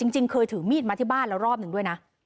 จริงเคยถือมีดมาที่บ้านแล้วรอบหนึ่งด้วยนะ